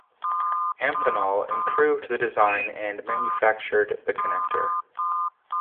Amphenol improved the design and manufactured the connector.